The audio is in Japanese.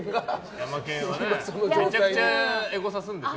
めちゃくちゃエゴサするんでしょ。